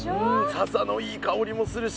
笹のいい香りもするし。